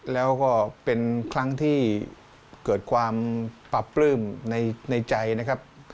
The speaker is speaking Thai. แล้วก็เป็นครั้งที่เกิดความปรับปลื้มในใจนะครับ